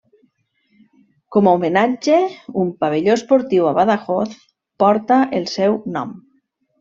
Com a homenatge, un pavelló esportiu a Badajoz porta el seu nom.